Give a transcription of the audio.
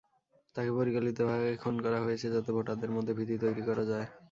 তাঁকে পরিকল্পিতভাবে খুন করা হয়েছে, যাতে ভোটারদের মধ্যে ভীতি তৈরি করা যায়।